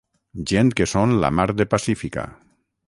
Gent que són la mar de pacífica.